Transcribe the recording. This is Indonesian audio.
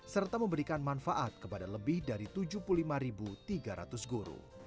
serta memberikan manfaat kepada lebih dari tujuh puluh lima tiga ratus guru